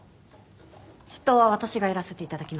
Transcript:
執刀は私がやらせて頂きます。